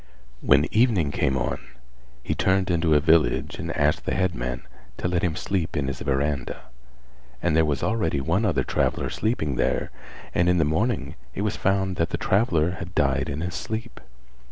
When evening came on he turned into a village and asked the headman to let him sleep in his verandah, and there was already one other traveller sleeping there and in the morning it was found that the traveller had died in his sleep.